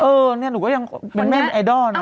เออนี่หนูก็ยังเป็นแม่ไอดอลนะ